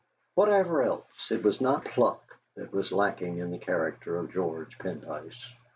Whatever else, it was not pluck that was lacking in the character of George Pendyce.